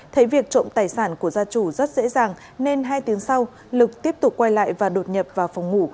thấy việc trộm tài sản của gia chủ rất dễ dàng nên hai tiếng sau lực tiếp tục quay lại và đột nhập vào phòng ngủ